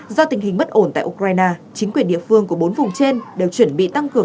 do tình hình bất ổn tại ukraine chính quyền địa phương của bốn vùng trên đều chuẩn bị tăng cường